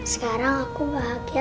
sekarang aku bahagia